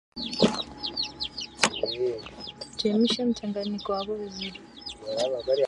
chemsha mchanganyiko wako vizuri